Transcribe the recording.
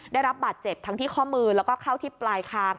ได้รับบาดเจ็บทั้งที่ข้อมือแล้วก็เข้าที่ปลายคาง